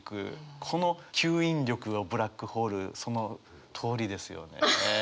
この吸引力をブラックホールそのとおりですよね。